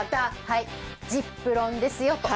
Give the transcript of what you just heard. はいｚｉｐｒｏｎですよと。